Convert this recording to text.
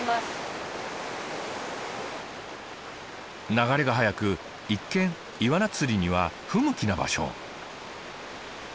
流れが速く一見イワナ釣りには不向きな場所。